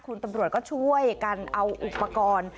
คุณตำรวจก็ช่วยกันเอาอุปกรณ์